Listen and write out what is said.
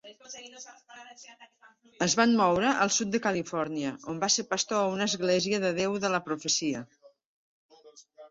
Es van moure al sud de Califòrnia, on va ser pastor a una Església de Déu de la Profecia.